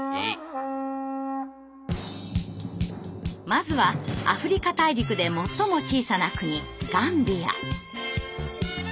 まずはアフリカ大陸で最も小さな国ガンビア。